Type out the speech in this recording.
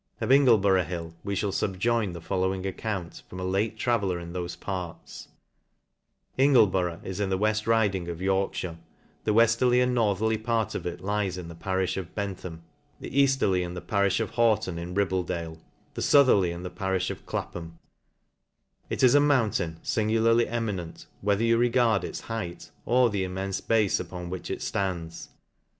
Of Ingleborough hill we (hall fubjoin the following account, from a late traveller in thofe parts : Ingleborough is in the Weft l Riding of Tor kjhire ; the wefterly and northerly part of it lies in the parifh of Bentham \ the eafterly in the parifh of Horton in Pib bledale\ the foutherly in the parifh of Clapham; It is a mountain, fingularly eminent, whether you re gard its height, or the immenfe bafe upon which it Hands.